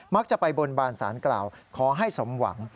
จะไปบนบานสารกล่าวขอให้สมหวัง